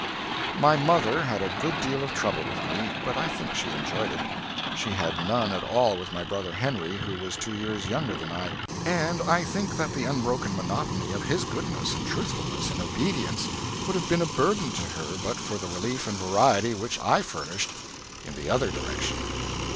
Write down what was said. My mother had a good deal of trouble with me, but I think she enjoyed it. She had none at all with my brother Henry, who was two years younger than I, and I think that the unbroken monotony of his goodness and truthfulness and obedience would have been a burden to her but for the relief and variety which I furnished in the other direction.